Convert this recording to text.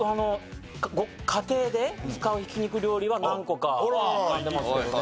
家庭で使うひき肉料理は何個か浮かんでますけどね。